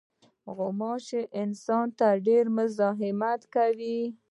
غوماشې انسان ته ډېر مزاحمت کوي.